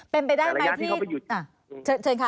เป็นไปได้ไหมที่